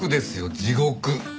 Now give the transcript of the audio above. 地獄。